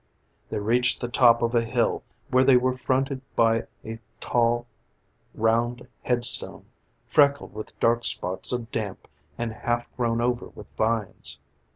They reached the top of a hill where they were fronted by a tall, round head stone, freckled with dark spots of damp and half grown over with vines.